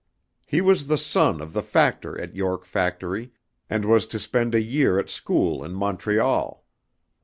He was the son of the factor at York Factory, and was to spend a year at school in Montreal.